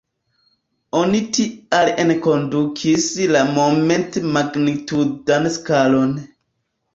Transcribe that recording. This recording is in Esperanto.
Oni tial enkondukis la Momant-magnitudan skalon.